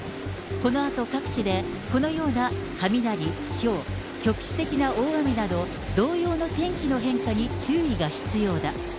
このあと、各地でこのような雷、ひょう、局地的な大雨など、同様の天気の変化に注意が必要だ。